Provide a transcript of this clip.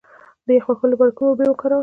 د یخ وهلو لپاره کومې اوبه وکاروم؟